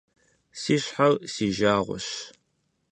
Си щхьэр си жагъуэщ.